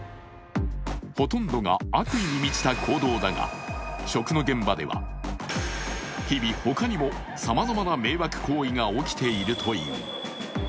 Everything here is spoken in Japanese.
ほとんどが悪意に満ちた行動だが、食の現場では日々、ほかにもさまざまな迷惑行為が起きているという。